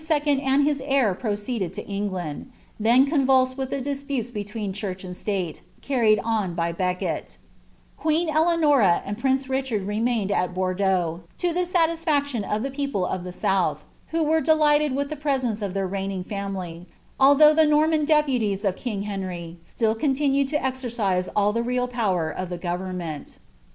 and his heir proceeded lA Engl&udt then conviils«d with the disputes between church and stale) rATTKd on by Becket Queen Eleanora and prince Richard remained at B iunleaux, lo ihe satisfaction of the people of the South, who were 'vlightetl Willi the presence of iheir reigning family, although the Nor Ul deputies of king Henry still continued to exercise all the real , ftr of the government.